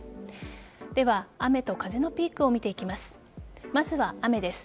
では雨と風のピークを見ていきます。